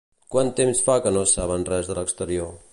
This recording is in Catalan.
Quant temps fa que no saben res de l'exterior?